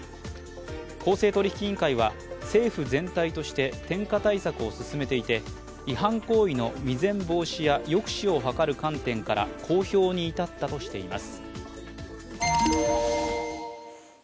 公正取引委員会は、政府全体として転嫁対策を進めていて違反行為の未然防止や抑止を図る観点から公表に至ったとしています。